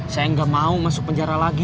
saya nggak mau masuk penjara lagi